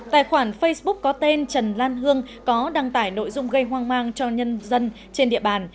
tài khoản facebook có tên trần lan hương có đăng tải nội dung gây hoang mang cho nhân dân trên địa bàn